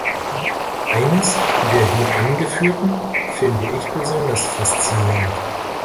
Eines der hier angeführten finde ich besonders faszinierend.